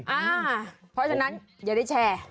เพราะฉะนั้นอย่าได้แชร์